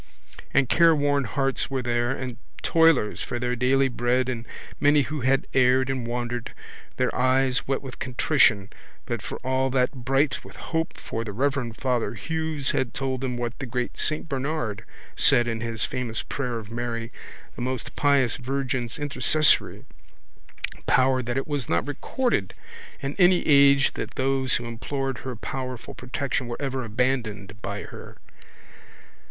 And careworn hearts were there and toilers for their daily bread and many who had erred and wandered, their eyes wet with contrition but for all that bright with hope for the reverend father Father Hughes had told them what the great saint Bernard said in his famous prayer of Mary, the most pious Virgin's intercessory power that it was not recorded in any age that those who implored her powerful protection were ever abandoned by her.